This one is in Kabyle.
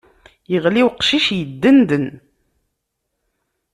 Iɣli uqcic, iddenden.